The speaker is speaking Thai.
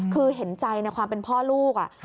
คือเห็นใจในความเป็นพ่อลูก